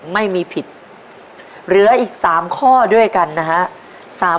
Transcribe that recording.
ไม่มีผิดเหลืออีก๓ข้อด้วยกันนะฮะ